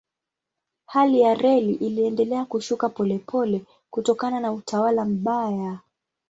Hali ya reli iliendelea kushuka polepole kutokana na utawala mbaya.